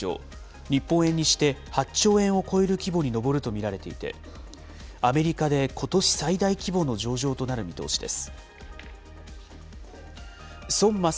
上場時の時価総額は６００億ドル以上、日本円にして８兆円を超える規模に上ると見られていて、アメリカでことし最大規模の上場となる見通しです。